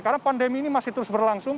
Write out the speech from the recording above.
karena pandemi ini masih terus berlangsung